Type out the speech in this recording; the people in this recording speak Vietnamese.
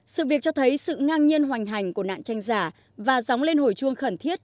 sự việc cho thấy sự ngang nhiên hoành hành của nạn tranh giả và dóng lên hồi chuông khẩn thiết